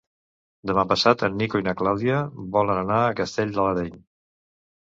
Demà passat en Nico i na Clàudia volen anar a Castell de l'Areny.